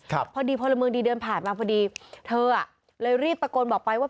พอดีพลเมืองดีเดินผ่านมาพอดีเธออ่ะเลยรีบตะโกนบอกไปว่า